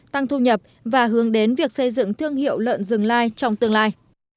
tăng thu nhập và hướng đến việc xây dựng thương hiệu lợn rừng lai trong tương lai